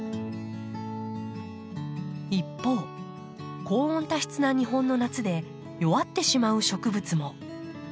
一方高温多湿な日本の夏で弱ってしまう植物も。